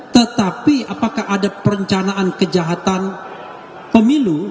tetapi apakah ada perencanaan kejahatan pemilu